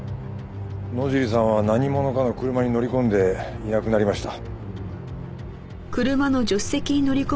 野尻さんは何者かの車に乗り込んでいなくなりました。